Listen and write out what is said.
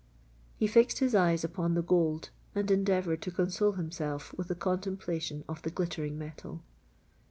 He fixed his eyes upon the gold, and endeavoured to console himself with the contemplation of the glittering metal.